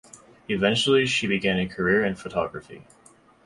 Eventually, she began a career in photography.